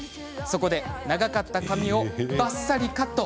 そこで長かった髪をばっさりカット！